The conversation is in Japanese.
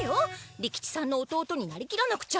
利吉さんの弟になりきらなくちゃ！